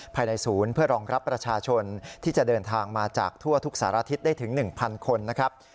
ภายในศูนย์เพื่อรองรับประชาชนที่จะเดินทางมาจากทั่วทุกสารทิศได้ถึง๑๐๐คนนะครับ